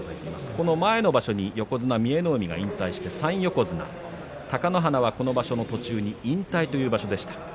この前の場所に横綱三重ノ海が引退して３横綱貴ノ花はこの場所の途中に引退という場所でした。